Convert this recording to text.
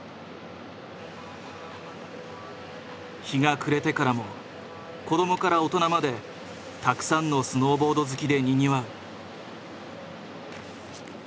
日が暮れてからも子どもから大人までたくさんのスノーボード好きでにぎわう。